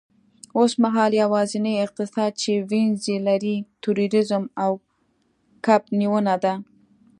اوسمهال یوازینی اقتصاد چې وینز یې لري، تورېزم او کب نیونه ده